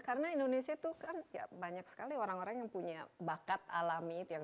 karena indonesia itu kan banyak sekali orang orang yang punya bakat alami yang